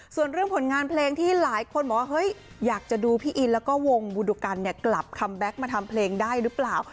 ส่วนเรื่องผลงานเพลงที่หลายคนบอกว่าเฮ้ยอยากจะดูพี่อินแล้วก็วงบุดุกันเนี่ยกลับคัมแบ็คมาทำเพลงได้หรือเปล่า